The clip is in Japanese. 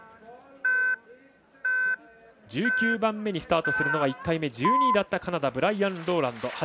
１９番目にスタートするのは１回目１２位だったカナダブライアン・ロウランド